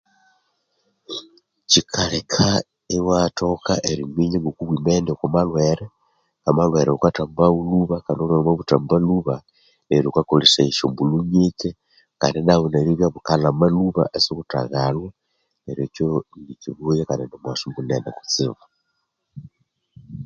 Kyikaleka iwathoka eriminya ngoku wimene oko malhwere, amalhwere ghukathambagho lhuba kandi nobulhwere wama buthamba lhuba neryo wukakolesaya esyombulho nyike kandi nabo nanibya bukalhama lhuba isighutha ghalhwa neryo ekyo nikyibuya kandi nimughaso munene kutsibu.